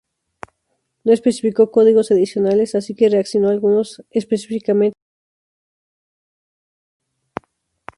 No especificó códigos adicionales, así que reasignó algunos específicamente para los nuevos lenguajes.